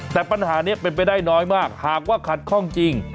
แต่ปัญหานี้เป็นไปได้น้อยมากหากว่าขัดข้องจริง